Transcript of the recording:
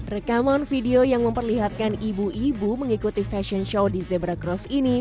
rekaman video yang memperlihatkan ibu ibu mengikuti fashion show di zebra cross ini